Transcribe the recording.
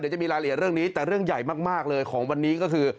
เดี๋ยวจะมีรายละเอียดเรื่องนี้แต่เรื่องใหญ่มากเลยของวันนี้ก็คือ